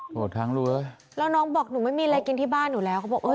เธอทั้งรึแล้วน้องบอกหนูไม่มีอะไรกินที่บ้านอยู่แล้ว